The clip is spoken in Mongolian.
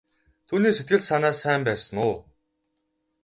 Түүний сэтгэл санаа сайн байсан уу?